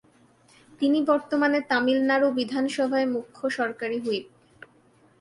তিনি বর্তমানে তামিলনাড়ু বিধানসভায় মুখ্য সরকারি হুইপ।